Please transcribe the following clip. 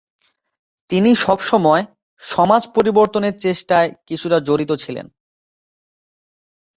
তিনি সবসময় সমাজ পরিবর্তনের চেষ্টায় কিছুটা জড়িত ছিলেন।